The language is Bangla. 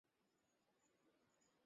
হ্যালো, বলুন, কার্ড রেখে গেলেন কেন?